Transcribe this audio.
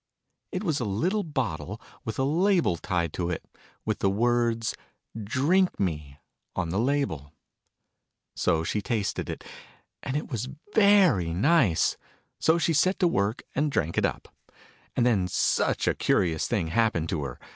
It was a little bottle, with a label Digitized by Google HOW ALICE GREW TALL. 7 tied to it, with the words "DRINK ME" on the label. So she tasted it : and it was very nice : so she set to work, and drank it up. And then such a curious thing happened to her